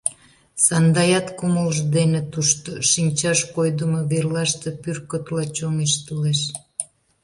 Сандаят кумылжо дене тушто, шинчаш койдымо верлаште, пӱркытла чоҥештылеш.